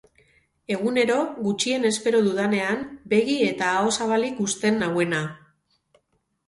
Egunero, gutxien espero dudanean, begi eta aho zabalik uzten nauena.